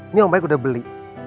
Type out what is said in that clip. ini om baik udah beli